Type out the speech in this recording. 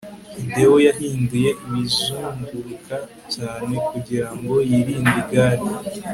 hideo yahinduye ibizunguruka cyane kugirango yirinde igare